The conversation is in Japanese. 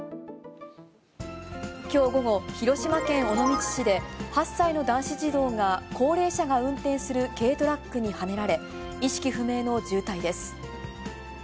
きょう午後、広島県尾道市で、８歳の男子児童が高齢者が運転する軽トラックにはねられ、意識不明の重体です。